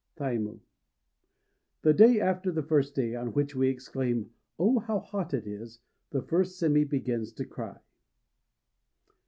TAIMU. The day after the first day on which we exclaim, "Oh, how hot it is!" the first sémi begins to cry.